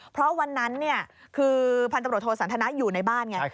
เพราะวันนั้นเนี่ยคือพันธบริโธสันธนะอยู่ในบ้านไง